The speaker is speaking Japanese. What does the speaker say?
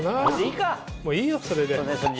もういいよそれで。